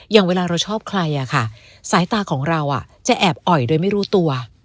อย่างเวลาเราชอบใครสายตาของเราจะแอบอ่อยโดยไม่รู้ตัว